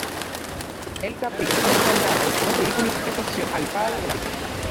El capricho fue saldado con una ridícula compensación al padre de la víctima.